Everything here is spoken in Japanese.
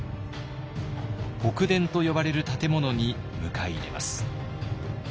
北殿と呼ばれる建物に迎え入れます。